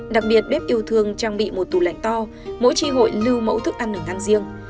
đặc biệt bếp yêu thương trang bị một tủ lạnh to mỗi tri hội lưu mẫu thức ăn ở thang riêng